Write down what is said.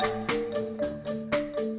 bapak apa yang kamu lakukan